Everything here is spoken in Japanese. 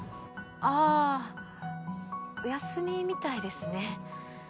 あお休みみたいですね。